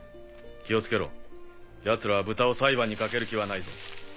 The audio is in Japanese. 気をつけろ奴らは豚を裁判にかける気はないぞ。